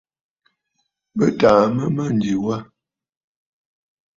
Bɨ tàà mə̂ a mânjì wâ.